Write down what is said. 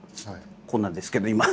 こんなんですけど今。